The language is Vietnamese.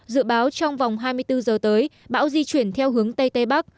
dự báo trong vòng hai mươi bốn giờ tới bão di chuyển theo hướng tây tây bắc